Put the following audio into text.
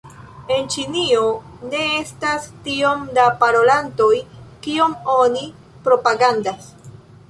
En Ĉinio ne estas tiom da parolantoj, kiom oni propagandas.